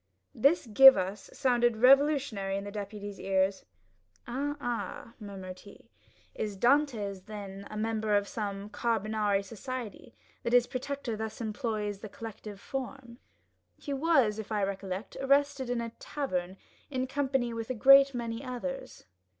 This give us sounded revolutionary in the deputy's ears. "Ah, ah," murmured he, "is Dantès then a member of some Carbonari society, that his protector thus employs the collective form? He was, if I recollect, arrested in a tavern, in company with a great many others."